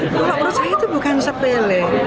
kalau menurut saya itu bukan sepele